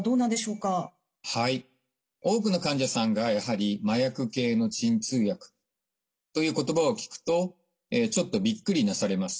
多くの患者さんがやはり麻薬系の鎮痛薬という言葉を聞くとちょっとびっくりなされます。